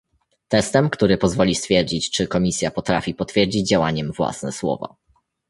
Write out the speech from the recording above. Testem, który pozwoli stwierdzić, czy Komisja potrafi potwierdzić działaniem własne słowa